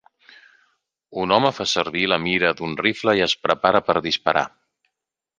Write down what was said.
Un home fa servir la mira d'un rifle i es prepara per disparar.